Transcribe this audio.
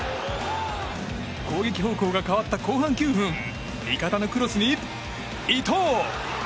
攻撃方向が変わった後半９分味方のクロスに、伊東！